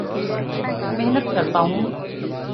محنت کرتا ہوں